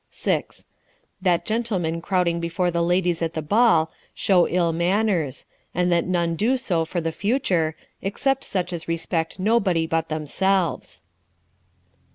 6. " That gentlemen crowding before the ladies at the ball, shew ill manners ; and that none do so for the future, except such as respect nobody but themselves.